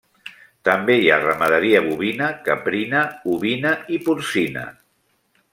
També hi ha ramaderia bovina, caprina, ovina i porcina.